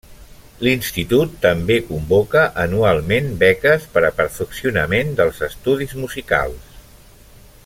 L'institut també convoca anualment beques per a perfeccionament dels estudis musicals.